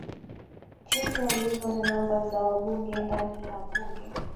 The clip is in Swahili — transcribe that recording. jinsi walivyo na namba za wabunge ndani ya bunge